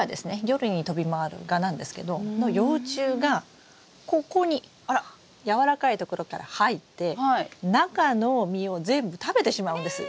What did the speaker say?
夜に飛び回る蛾なんですけどの幼虫がここにやわらかいところから入って中の実を全部食べてしまうんです。